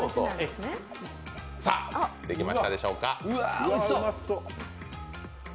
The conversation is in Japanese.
さあ、できましたでしょうか。